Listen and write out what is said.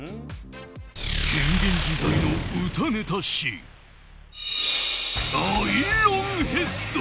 変幻自在の歌ネタ師アイロンヘッド。